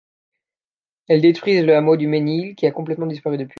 Elles détruisent le hameau du Mesnil qui a complètement disparu depuis.